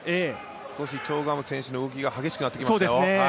少しチョ・グハム選手の動きが激しくなってきましたよ。